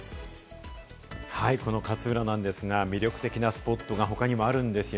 この勝浦なんですが、魅力的なスポットが他にもあるんですよ。